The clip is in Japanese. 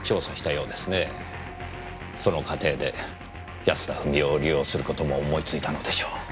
その過程で安田富美代を利用する事も思いついたのでしょう。